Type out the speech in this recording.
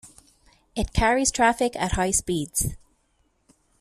It carries traffic at high speeds.